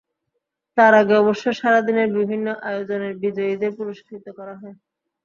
তার আগে অবশ্য সারা দিনের বিভিন্ন আয়োজনের বিজয়ীদের পুরস্কৃত করা হয়।